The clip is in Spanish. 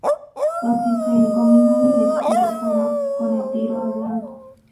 Consiste en combinar el esquí de fondo con el tiro al blanco.